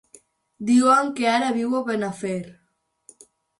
Diuen que ara viu a Benafer.